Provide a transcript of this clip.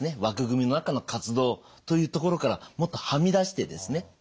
枠組みの中の活動というところからもっとはみ出してですね